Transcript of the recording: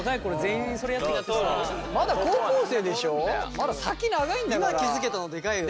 まだ先長いんだから。